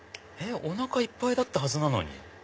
お腹いっぱいだったはずなのに。